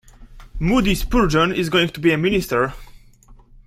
Moody Spurgeon is going to be a minister.